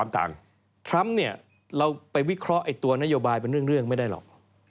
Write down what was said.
ทรัมป์เนี่ยเราไปวิเคราะห์ตัวนโยบายเป็นเรื่องไม่ได้หรอก